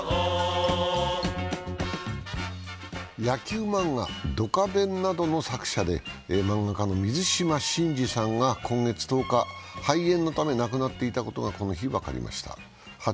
野球漫画「ドカベン」などの作者で漫画家の水島新司さんが今月１０日、肺炎のため亡くなっていたことこがこの日、分かりました。